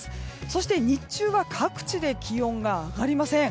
そして日中は各地で気温が上がりません。